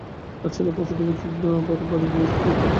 পাঠশালায় পৌঁছে দেবার জন্যও আসে, আবার বাড়ী নিয়ে যেতেও আসে।